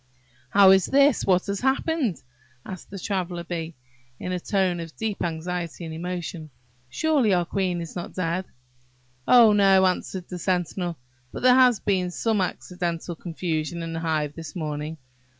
"How is this? what has happened?" asked the Traveller bee, in a tone of deep anxiety and emotion: "Surely our queen is not dead?" "Oh, no!" answered the sentinel; "but there has been some accidental confusion in the hive this morning.